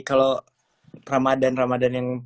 kalau ramadan ramadan yang